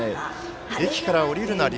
駅から降りるなり